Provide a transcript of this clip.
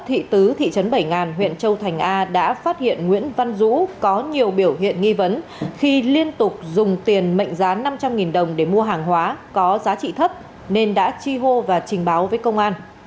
thị tứ thị trấn bảy ngàn huyện châu thành a đã phát hiện nguyễn văn dũ có nhiều biểu hiện nghi vấn khi liên tục dùng tiền mệnh giá năm trăm linh đồng để mua hàng hóa có giá trị thấp nên đã chi hô và trình báo với công an